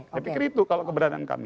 tapi kiritu kalau keberadaan kami